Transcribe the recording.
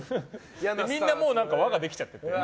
みんなもう輪ができちゃってて。